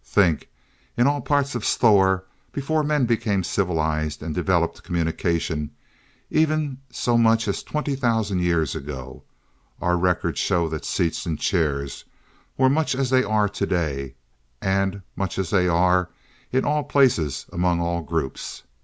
Think, in all parts of Sthor, before men became civilized and developed communication, even so much as twenty thousand years ago, our records show that seats and chairs were much as they are today, and much as they are, in all places among all groups.